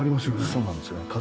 そうなんですよね。